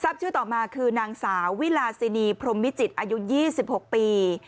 ชื่อต่อมาคือนางสาววิลาซินีพรมมิจิตรอายุ๒๖ปี